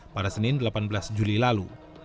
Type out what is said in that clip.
pada senin delapan belas juli lalu